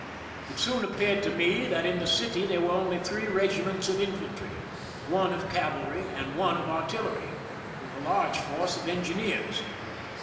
It soon appeared to me that in the city there were only three regiments of infantry, one of cavalry, and one of artillery, with a large force of engineers.